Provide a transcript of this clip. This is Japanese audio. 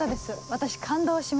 私感動しました。